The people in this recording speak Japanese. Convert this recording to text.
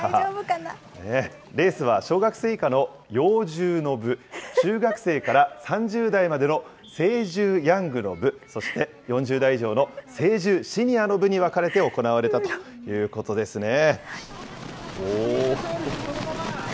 レースは小学生以下の幼獣の部、中学生から３０代までの成獣ヤングの部、そして４０代以上の成獣シニアの部に分かれて行われたということですね。